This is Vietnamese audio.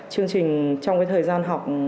chương trình trong cái thời gian học